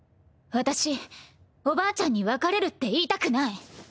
私おばあちゃんに別れるって言いたくない。